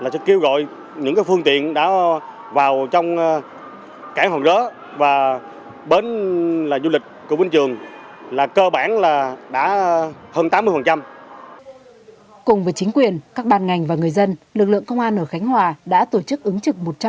cùng với chính quyền các bàn ngành và người dân lực lượng công an ở khánh hòa đã tổ chức ứng trực